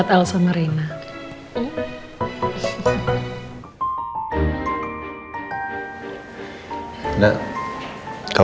aku pasti mempercayain ulasan